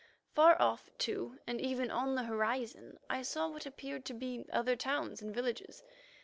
Far off, too, and even on the horizon, I saw what appeared to be other towns and villages.